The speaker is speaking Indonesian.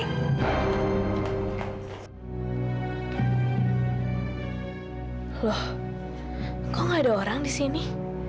loh kok gak ada orang di sini